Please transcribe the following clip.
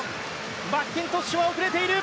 マッキントッシュは遅れている。